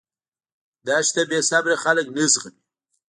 دښته بېصبره خلک نه زغمي.